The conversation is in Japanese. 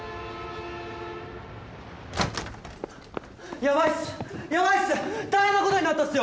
やばいっすやばいっす大変なことになったっすよ！